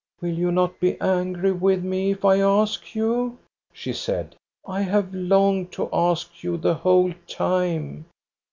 " Will you not be angry with me if I ask you? " she said. I have longed to ask you the whole time.